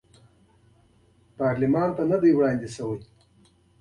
پارلمان ته نه دي وړاندې شوي.